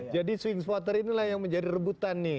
jadi swing voter inilah yang menjadi rebutan nih